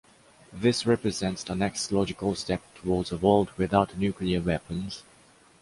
This represents the next logical step towards a world without nuclear weapons.